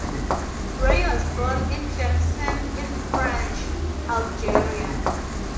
Rey was born in Tlemcen in French Algeria.